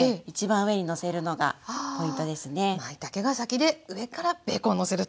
まいたけが先で上からベーコンをのせると。